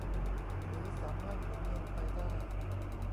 หรือสามารถหมุนเงินไปได้